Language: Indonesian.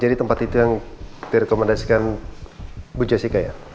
jadi tempat itu yang direkomendasikan bu jessica ya